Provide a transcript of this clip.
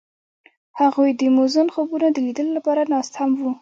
هغوی د موزون خوبونو د لیدلو لپاره ناست هم وو.